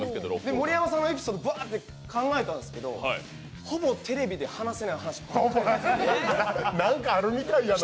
盛山さんのエピソード、バーッて考えたんですけどほぼテレビで話せない話ばかりなんです。